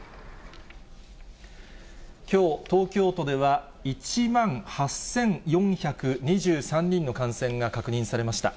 きょう、東京都では１万８４２３人の感染が確認されました。